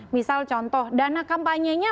misal contoh dana kampanyenya